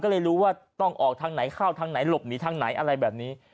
ก็เลยรู้ว่าต้องออกทางไหนเข้าทางไหนหลบหนีทางไหนอะไรแบบนี้